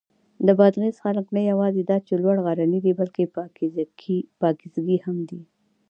د بادغیس خلک نه یواځې دا چې لوړ غرني دي، بلکې پاکیزګي هم دي.